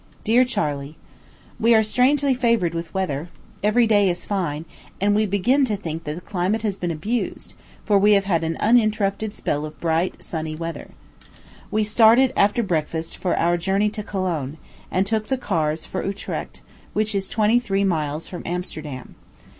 DEAR CHARLEY: We are strangely favored with weather; every day is fine; and we begin to think that the climate has been abused, for we have had an uninterrupted spell of bright, sunny weather. We started, after breakfast, for our journey to Cologne, and took the oars for Utrecht, which is twenty three miles from Amsterdam.